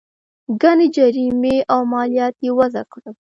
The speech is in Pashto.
ګڼې جریمې او مالیات یې وضعه کړل.